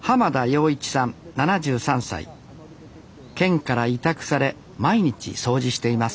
県から委託され毎日掃除しています